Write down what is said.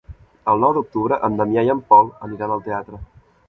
El nou d'octubre en Damià i en Pol aniran al teatre.